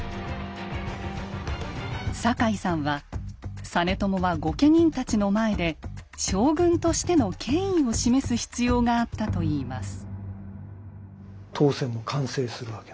坂井さんは実朝は御家人たちの前で将軍としての権威を示す必要があったといいます。